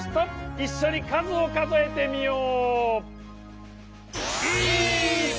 いっしょにかずをかぞえてみよう！